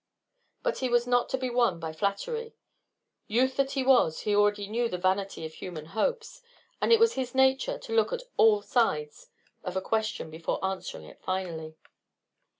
But he was not to be won by flattery. Youth that he was, he already knew the vanity of human hopes, and it was his nature to look at all sides of a question before answering it finally.